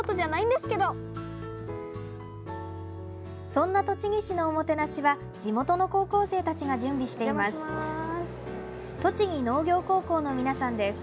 そんな栃木市のおもてなしは地元の高校生たちが準備しています。